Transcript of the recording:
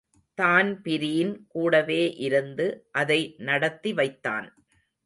Dan Breen கூடவே இருந்து அதை நடத்திவைத்தான்.